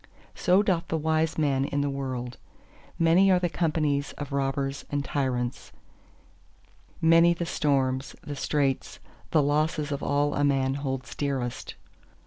So doth the wise man in the world. Many are the companies of robbers and tyrants, many the storms, the straits, the losses of all a man holds dearest.